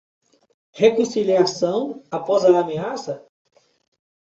Reconciliação após a ameaça